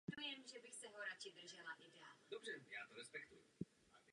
Usedl do poslanecké frakce Klub německých sociálních demokratů.